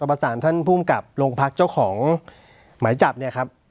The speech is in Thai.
ประสานท่านภูมิกับโรงพักเจ้าของหมายจับเนี่ยครับ